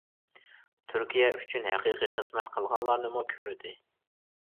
تۈركىيە ئۈچۈن ھەقىقىي خىزمەت قىلغانلارنىمۇ كۆردى.